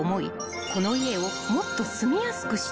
この家をもっと住みやすくしたい］